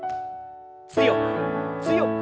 強く強く。